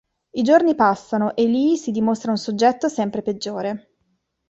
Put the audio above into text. I giorni passano e Lee si dimostra un soggetto sempre peggiore.